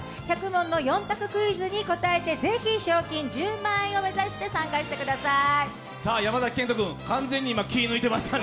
１００問の四択クイズに答えてぜひ賞金１０万円を目指してください。